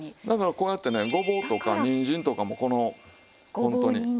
だからこうやってねごぼうとかにんじんとかもこのホントに。